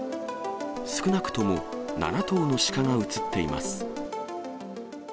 少なくとも７頭のシカが映っています。